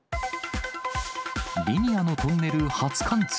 リニアのトンネル初貫通。